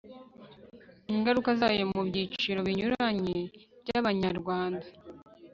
ingaruka zayo mu byiciro binyuranye by'abanyarwanda